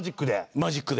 マジックで。